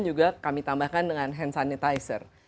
juga kami tambahkan dengan hand sanitizer